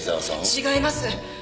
違います。